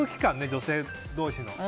女性同士の。